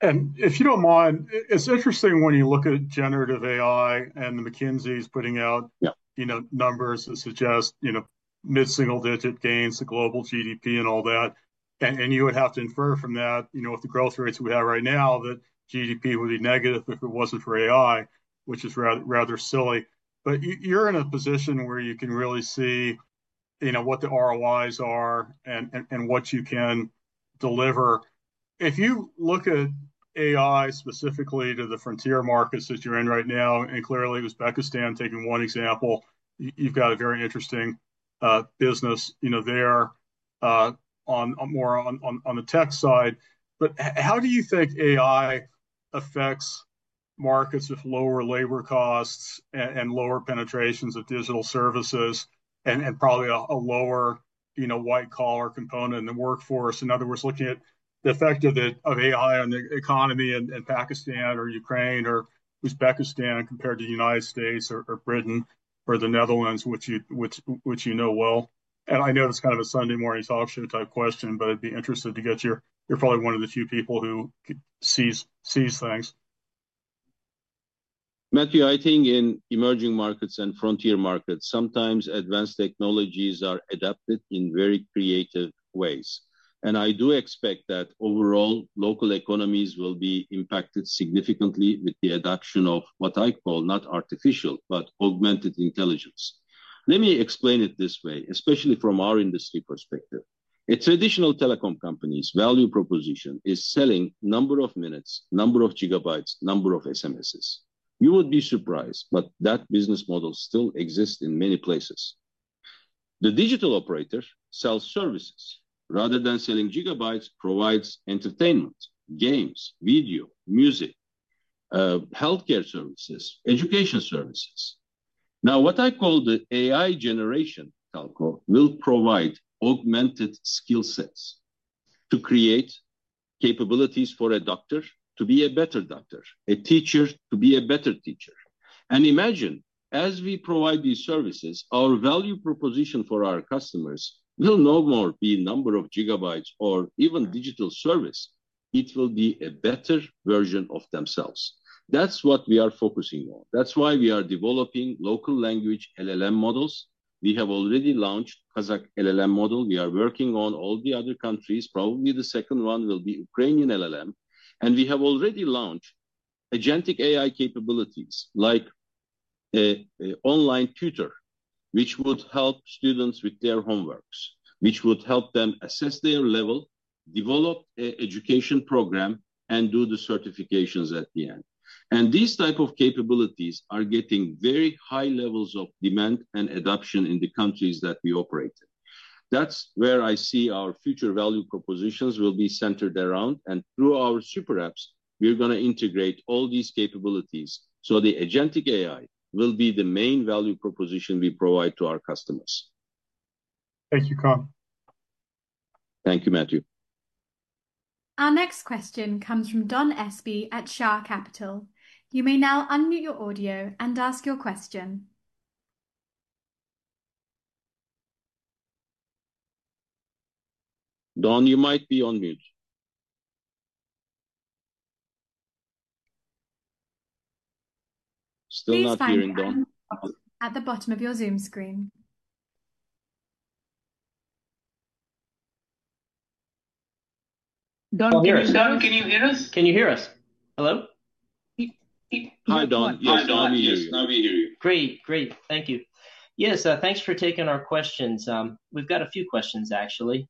It's interesting when you look at generative AI and McKinsey's putting out numbers that suggest mid-single-digit gains to global GDP and all that. You would have to infer from that, with the growth rates we have right now, that GDP would be negative if it wasn't for AI, which is rather silly. You're in a position where you can really see what the ROIs are and what you can deliver. If you look at AI specifically to the frontier markets that you're in right now, and clearly Uzbekistan, taking one example, you've got a very interesting business there, more on the tech side. How do you think AI affects markets with lower labor costs and lower penetrations of digital services and probably a lower white-collar component in the workforce? In other words, looking at the effect of AI on the economy in Pakistan or Ukraine or Uzbekistan compared to the United States or Britain or the Netherlands, which you know well. I know it's kind of a Sunday morning talk show type question, but I'd be interested to get your, you're probably one of the few people who sees things. Matthew, I think in emerging markets and frontier markets, sometimes advanced technologies are adapted in very creative ways. I do expect that overall local economies will be impacted significantly with the adoption of what I call not artificial, but augmented intelligence. Let me explain it this way, especially from our industry perspective. A traditional telecom company's value proposition is selling a number of minutes, a number of gigabytes, a number of SMSs. You would be surprised, but that business model still exists in many places. The digital operator sells services. Rather than selling gigabytes, it provides entertainment, games, video, music, healthcare services, education services. What I call the AI generation telco will provide augmented skill sets to create capabilities for a doctor to be a better doctor, a teacher to be a better teacher. Imagine, as we provide these services, our value proposition for our customers will no more be a number of gigabytes or even digital service. It will be a better version of themselves. That's what we are focusing on. That's why we are developing local language LLM models. We have already launched a Kazakh LLM model. We are working on all the other countries. Probably the second one will be Ukrainian LLM. We have already launched agentic AI capabilities like an online tutor, which would help students with their homeworks, which would help them assess their level, develop an education program, and do the certifications at the end. These types of capabilities are getting very high levels of demand and adoption in the countries that we operate in. That's where I see our future value propositions will be centered around. Through our super apps, we're going to integrate all these capabilities so the agentic AI will be the main value proposition we provide to our customers. Thank you, Kaan. Thank you, Matthew. Our next question comes from Don Espey at Shah Capital. You may now unmute your audio and ask your question. Don, you might be on mute. Still not hearing, Don. At the bottom of your Zoom screen. Don, can you hear us? Hello? Hi, Don. Yes, now we hear you. Great, great. Thank you. Yes, thanks for taking our questions. We've got a few questions, actually.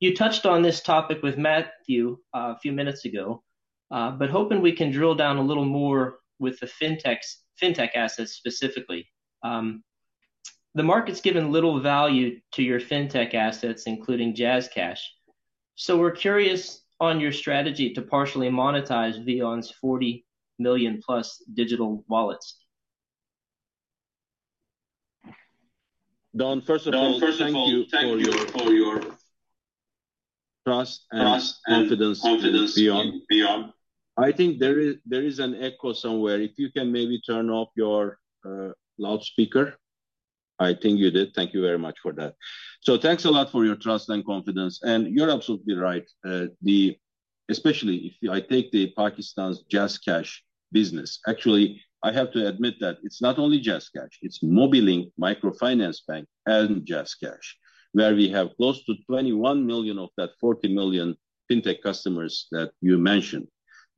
You touched on this topic with Matthew a few minutes ago, but hoping we can drill down a little more with the fintech assets specifically. The market's given little value to your fintech assets, including JazzCash. We're curious on your strategy to partially monetize VEON's 40 million+ digital wallets. Don, first of all, thank you for your trust and confidence. I think there is an echo somewhere. If you can maybe turn off your loudspeaker. I think you did. Thank you very much for that. Thanks a lot for your trust and confidence. You're absolutely right. Especially if I take Pakistan's JazzCash business. Actually, I have to admit that it's not only JazzCash. It's Mobilink Microfinance Bank and JazzCash, where we have close to 21 million of that 40 million fintech customers that you mentioned.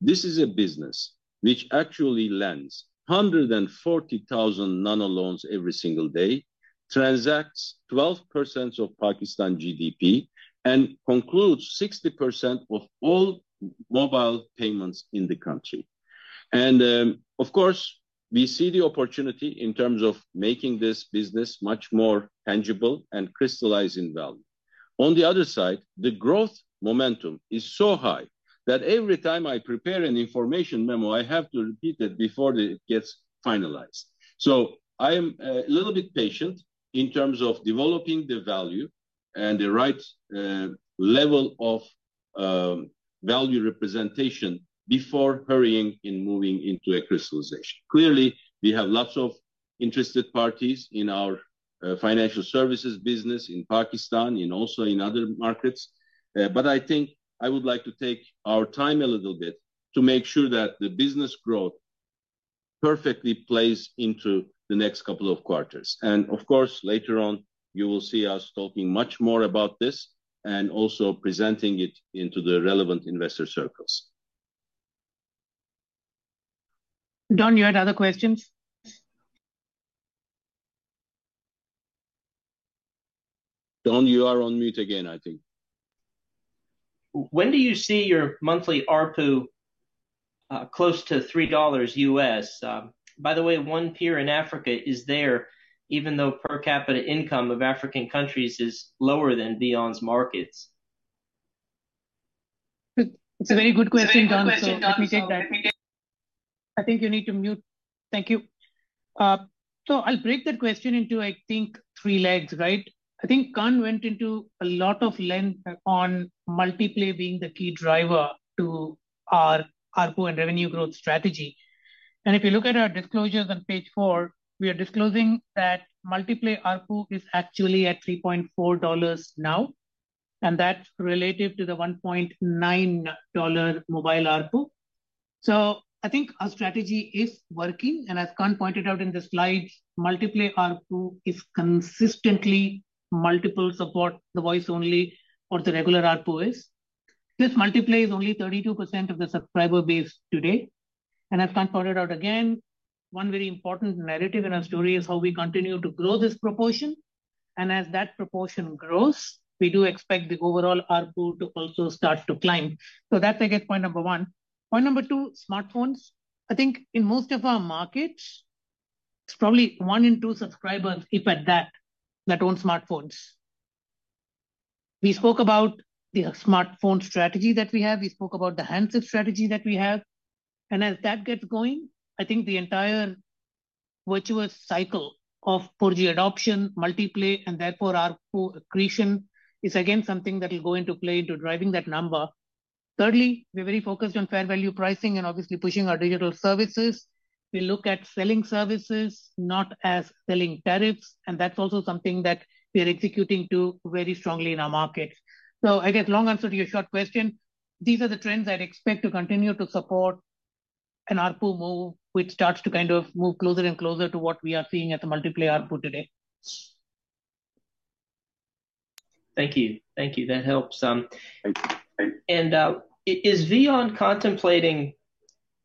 This is a business which actually lends 140,000 nano loans every single day, transacts 12% of Pakistan's GDP, and concludes 60% of all mobile payments in the country. We see the opportunity in terms of making this business much more tangible and crystallizing value. On the other side, the growth momentum is so high that every time I prepare an information memo, I have to repeat it before it gets finalized. I am a little bit patient in terms of developing the value and the right level of value representation before hurrying in moving into a crystallization. Clearly, we have lots of interested parties in our financial services business in Pakistan and also in other markets. I would like to take our time a little bit to make sure that the business growth perfectly plays into the next couple of quarters. Of course, later on, you will see us talking much more about this and also presenting it into the relevant investor circles. Don, you had other questions? Don, you are on mute again, I think. When do you see your monthly ARPU close to $3 U.S.? By the way, one peer in Africa is there, even though per capita income of African countries is lower than VEON's markets. It's a very good question, Don. I think you need to mute. Thank you. I'll break that question into, I think, three legs, right? I think Kaan went into a lot of length on multiplay being the key driver to our ARPU and revenue growth strategy. If you look at our disclosures on page four, we are disclosing that multiplay ARPU is actually at $3.4 now, and that's relative to the $1.9 mobile ARPU. I think our strategy is working. As Kaan pointed out in the slides, multiplay ARPU is consistently multiples of what the voice-only or the regular ARPU is. Plus, multiplay is only 32% of the subscriber base today. As Kaan pointed out again, one very important narrative in our story is how we continue to grow this proportion. As that proportion grows, we do expect the overall ARPU to also start to climb. That's, I guess, point number one. Point number two, smartphones. I think in most of our markets, it's probably one in two subscribers, if at that, that own smartphones. We spoke about the smartphone strategy that we have. We spoke about the handset strategy that we have. As that gets going, I think the entire virtuous cycle of 4G adoption, multiplay, and therefore ARPU accretion is again something that will go into play into driving that number. Thirdly, we're very focused on fair value pricing and obviously pushing our digital services. We look at selling services, not as selling tariffs. That's also something that we're executing very strongly in our markets. I guess long answer to your short question, these are the trends I'd expect to continue to support an ARPU move which starts to kind of move closer and closer to what we are seeing at the multiplay ARPU today. Thank you. Thank you. That helps. Is VEON contemplating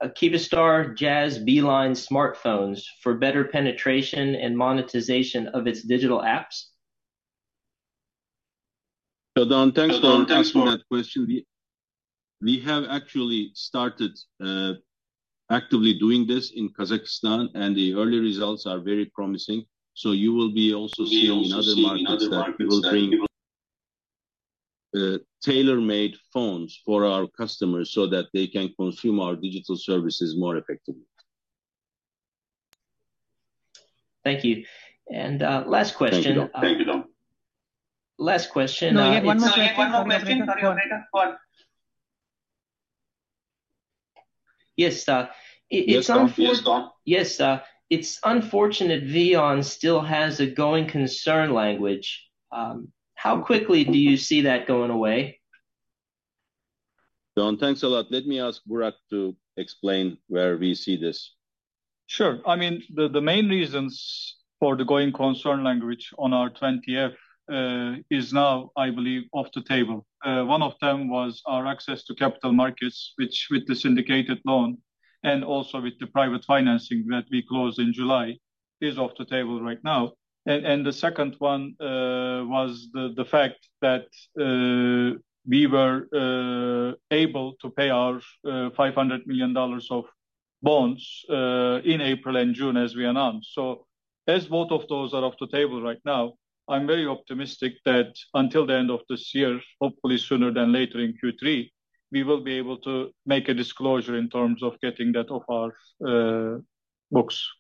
Kyivstar, Jazz, Beeline smartphones for better penetration and monetization of its digital apps? Don, thanks for that question. We have actually started actively doing this in Kazakhstan, and the early results are very promising. You will be also seeing in other markets that we will bring tailor-made phones for our customers so that they can consume our digital services more effectively. Thank you. Last question. Thank you, Don. Last question. Can I get one more question? Yes. Can I get a fourth, Don? Yes. It's unfortunate VEON still has a going concern language. How quickly do you see that going away? Don, thanks a lot. Let me ask Burak to explain where we see this. Sure. I mean, the main reasons for the going concern language on our Form 20-F is now, I believe, off the table. One of them was our access to capital markets, which with the syndicated loan and also with the private financing that we closed in July is off the table right now. The second one was the fact that we were able to pay our $500 million of bonds in April and June as we announced. As both of those are off the table right now, I'm very optimistic that until the end of this year, hopefully sooner than later in Q3, we will be able to make a disclosure in terms of getting that off our books.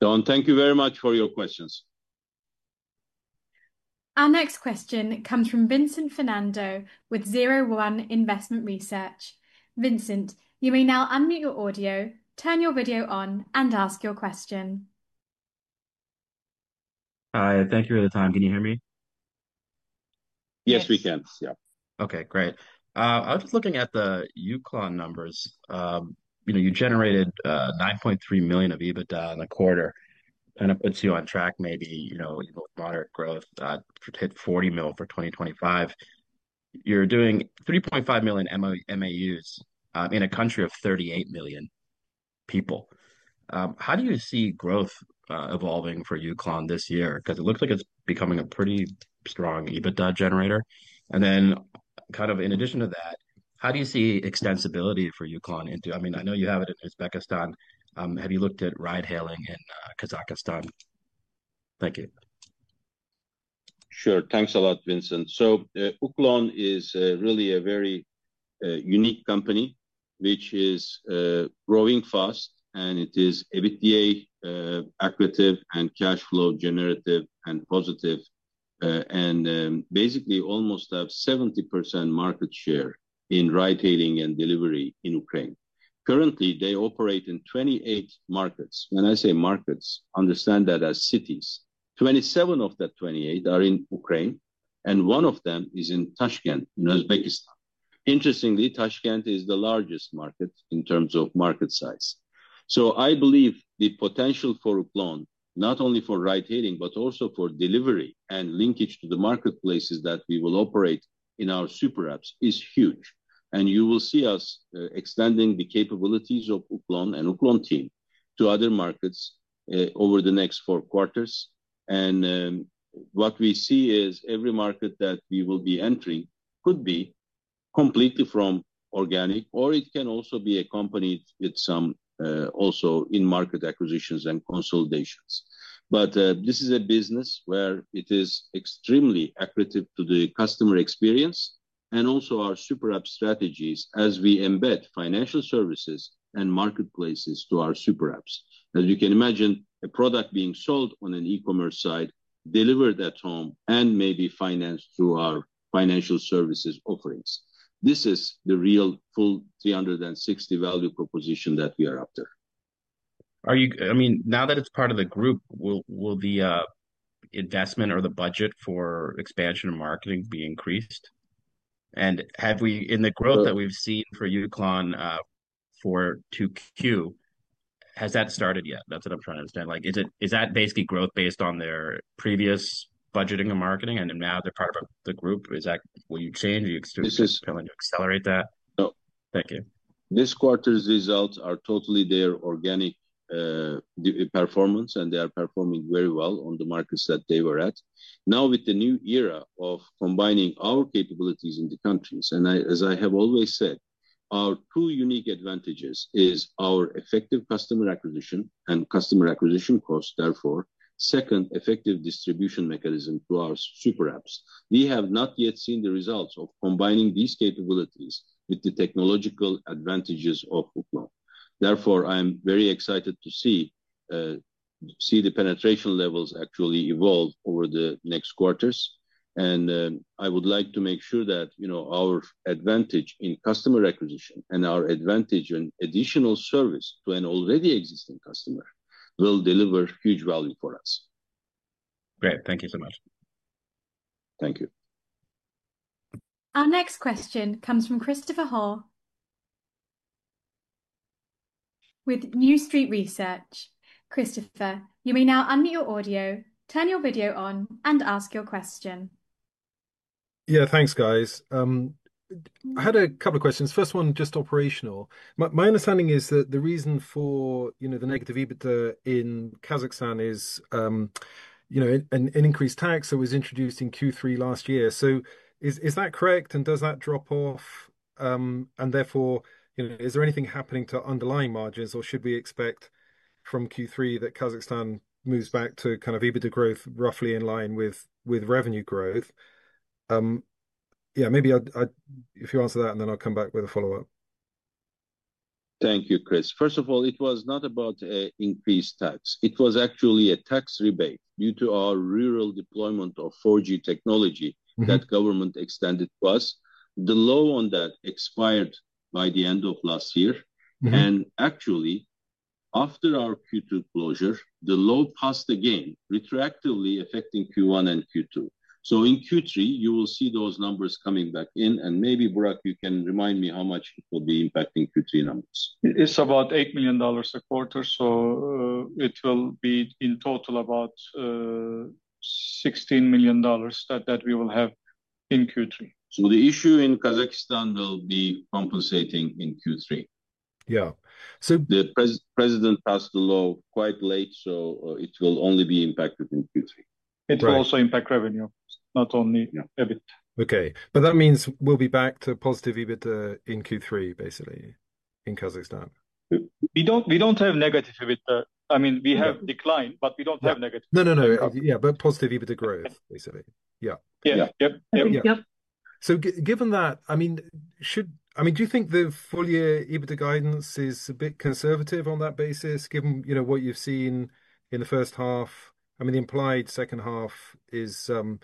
Don, thank you very much for your questions. Our next question comes from Vincent Fernando with Zero One Investment Research. Vincent, you may now unmute your audio, turn your video on, and ask your question. Hi, thank you for the time. Can you hear me? Yes, we can. Yeah. Okay, great. I was just looking at the Uklon numbers. You know, you generated $9.3 million of EBITDA in a quarter. Kind of puts you on track maybe, you know, even with moderate growth, to hit $40 million for 2025. You're doing 3.5 million MAUs in a country of 38 million people. How do you see growth evolving for Uklon this year? Because it looks like it's becoming a pretty strong EBITDA generator. In addition to that, how do you see extensibility for Uklon into—I mean, I know you have it in Uzbekistan. Have you looked at ride-hailing in Kazakhstan? Thank you. Sure. Thanks a lot, Vincent. Uklon is really a very unique company, which is growing fast, and it is EBITDA acquisitive and cash flow generative and positive, and basically almost has 70% market share in ride-hailing and delivery in Ukraine. Currently, they operate in 28 markets. When I say markets, understand that as cities. 27 of the 28 are in Ukraine, and one of them is in Tashkent in Uzbekistan. Interestingly, Tashkent is the largest market in terms of market size. I believe the potential for Uklon, not only for ride-hailing, but also for delivery and linkage to the marketplaces that we will operate in our super apps, is huge. You will see us extending the capabilities of Uklon and Uklon team to other markets over the next four quarters. What we see is every market that we will be entering could be completely from organic, or it can also be accompanied with some also in-market acquisitions and consolidations. This is a business where it is extremely acquisitive to the customer experience and also our super app strategies as we embed financial services and marketplaces to our super apps. As you can imagine, a product being sold on an e-commerce site, delivered at home, and maybe financed through our financial services offerings. This is the real full 360 value proposition that we are after. I mean, now that it's part of the group, will the investment or the budget for expansion and marketing be increased? Have we, in the growth that we've seen for Uklon for 2Q, has that started yet? That's what I'm trying to understand. Is that basically growth based on their previous budgeting and marketing and now they're part of the group? Is that what you changed? Are you trying to accelerate that? No. Thank you. This quarter's results are totally their organic performance, and they are performing very well on the markets that they were at. Now, with the new era of combining our capabilities in the countries, as I have always said, our two unique advantages are our effective customer acquisition and customer acquisition cost. Therefore, second, effective distribution mechanism to our super apps. We have not yet seen the results of combining these capabilities with the technological advantages of Uklon. Therefore, I'm very excited to see the penetration levels actually evolve over the next quarters. I would like to make sure that our advantage in customer acquisition and our advantage in additional service to an already existing customer will deliver huge value for us. Great. Thank you so much. Thank you. Our next question comes from Christopher Hoare with New Street Research. Christopher, you may now unmute your audio, turn your video on, and ask your question. Yeah, thanks, guys. I had a couple of questions. First one, just operational. My understanding is that the reason for the negative EBITDA in Kazakhstan is an increased tax that was introduced in Q3 last year. Is that correct? Does that drop off? Is there anything happening to underlying margins, or should we expect from Q3 that Kazakhstan moves back to kind of EBITDA growth roughly in line with revenue growth? Maybe if you answer that, I'll come back with a follow-up. Thank you, Chris. First of all, it was not about an increased tax. It was actually a tax rebate due to our rural deployment of 4G technology that government extended to us. The law on that expired by the end of last year. Actually, after our Q2 closure, the law passed again, retroactively affecting Q1 and Q2. In Q3, you will see those numbers coming back in. Maybe, Burak, you can remind me how much it will be impacting Q3 numbers. It's about $8 million a quarter. It will be in total about $16 million that we will have in Q3. The issue in Kazakhstan will be compensating in Q3. Yeah. The President passed the law quite late, so it will only be impacted in Q3. It will also impact revenue, not only EBIT. Okay. That means we'll be back to positive EBITDA in Q3, basically, in Kazakhstan. We don't have negative EBITDA. I mean, we have declined, but we don't have negative. Yeah, but positive EBITDA growth, basically. Yeah. Yeah. Given that, do you think the full-year EBITDA guidance is a bit conservative on that basis, given what you've seen in the first half? The implied second half is a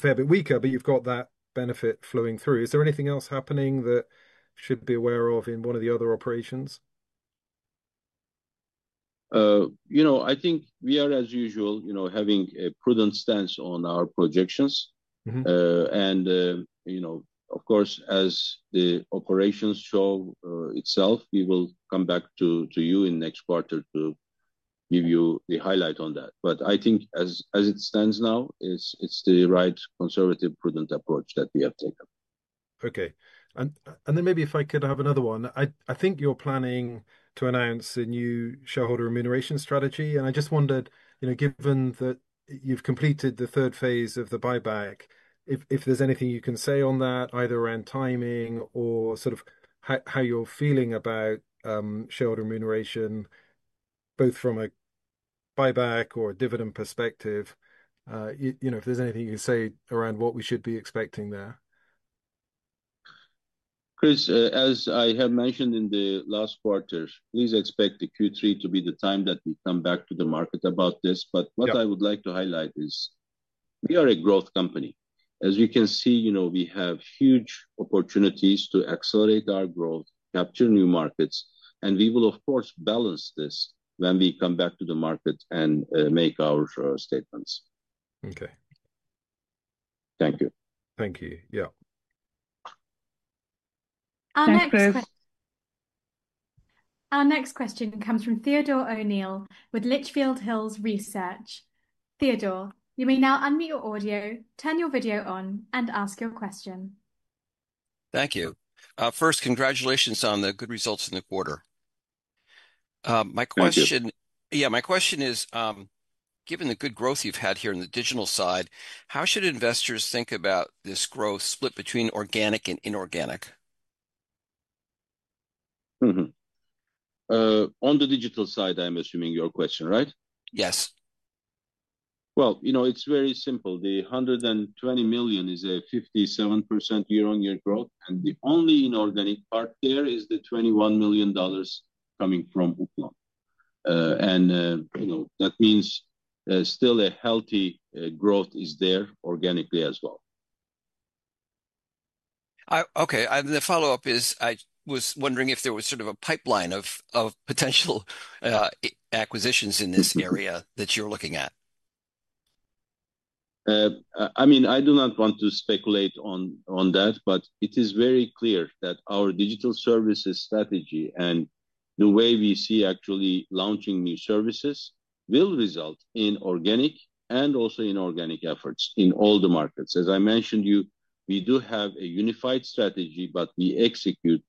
fair bit weaker, but you've got that benefit flowing through. Is there anything else happening that we should be aware of in one of the other operations? I think we are, as usual, having a prudent stance on our projections. Of course, as the operations show itself, we will come back to you in the next quarter to give you the highlight on that. I think as it stands now, it's the right conservative, prudent approach that we have taken. Okay. Maybe if I could have another one, I think you're planning to announce a new shareholder remuneration strategy. I just wondered, given that you've completed the third phase of the buyback, if there's anything you can say on that, either around timing or sort of how you're feeling about shareholder remuneration, both from a buyback or a dividend perspective, if there's anything you can say around what we should be expecting there. Chris, as I have mentioned in the last quarter, please expect Q3 to be the time that we come back to the market about this. What I would like to highlight is we are a growth company. As you can see, we have huge opportunities to accelerate our growth, capture new markets, and we will, of course, balance this when we come back to the market and make our statements. Okay. Thank you. Thank you. Yeah. Our next question comes from Theodore O'Neill with Litchfield Hills Research. Theodore, you may now unmute your audio, turn your video on, and ask your question. Thank you. First, congratulations on the good results in the quarter. Thank you. Yeah, my question is, given the good growth you've had here on the digital side, how should investors think about this growth split between organic and inorganic? On the digital side, I'm assuming your question, right? Yes. It’s very simple. The $120 million is a 57% year-on-year growth, and the only inorganic part there is the $21 million coming from Simply. That means still a healthy growth is there organically as well. Okay. The follow-up is, I was wondering if there was sort of a pipeline of potential acquisitions in this area that you're looking at. I do not want to speculate on that, but it is very clear that our digital services strategy and the way we see actually launching new services will result in organic and also inorganic efforts in all the markets. As I mentioned to you, we do have a unified strategy, but we execute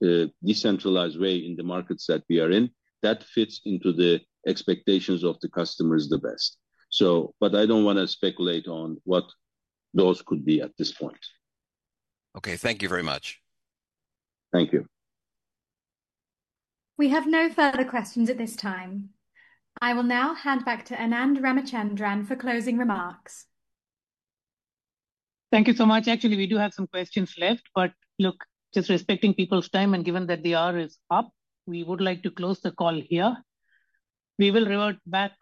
in a decentralized way in the markets that we are in that fits into the expectations of the customers the best. I don't want to speculate on what those could be at this point. Okay, thank you very much. Thank you. We have no further questions at this time. I will now hand back to Anand Ramachandran for closing remarks. Thank you so much. Actually, we do have some questions left, but just respecting people's time and given that the hour is up, we would like to close the call here. We will revert back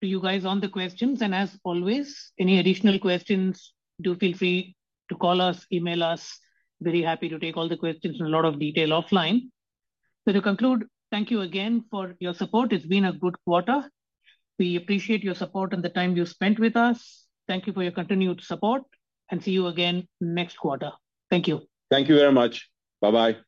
to you guys on the questions. As always, any additional questions, do feel free to call us or email us. Very happy to take all the questions in a lot of detail offline. To conclude, thank you again for your support. It's been a good quarter. We appreciate your support and the time you spent with us. Thank you for your continued support, and see you again next quarter. Thank you. Thank you very much. Bye-bye.